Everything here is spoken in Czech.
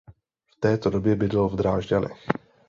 V této době bydlel v Drážďanech.